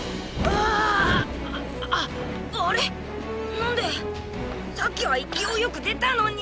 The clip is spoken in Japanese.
何で⁉さっきは勢いよく出たのに！